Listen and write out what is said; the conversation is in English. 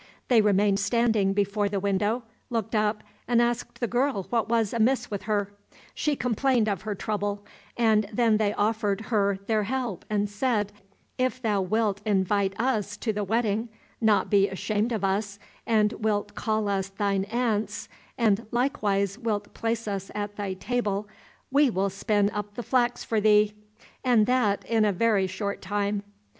They remained standing before the window, looked up, and asked the girl what was amiss with her? She complained of her trouble, and then they offered her their help and said, "If thou wilt invite us to the wedding, not be ashamed of us, and wilt call us thine aunts, and likewise wilt place us at thy table, we will spin up the flax for thee, and that in a very short time."